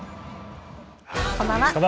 こんばんは。